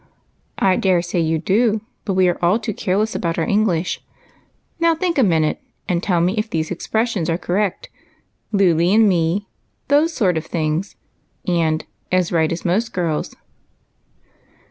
" I dare say you do, but we are all too careless about our English. Now, think a minute and tell me if these expressions are correct, —' Luly and me,' ' those sort of things,' and ' as right as most girls.' " 86 EIGHT COUSINS.